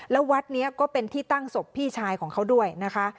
แล้ววัดนี้ก็เป็นที่ตั้งศพพี่ชายของเขาด้วยนะคะ